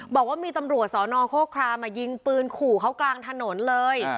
บอกว่ามีตำรวจสอนอโคครามมายิงปืนขู่เขากลางถนนเลย